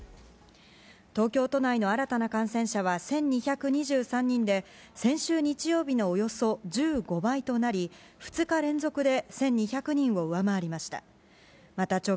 東京都内の新たな感染者は１２２３人で先週日曜日のおよそ１５倍となり２日連続で１２００人を上回りました。